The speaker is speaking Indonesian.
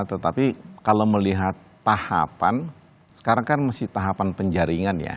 tetapi kalau melihat tahapan sekarang kan masih tahapan penjaringan ya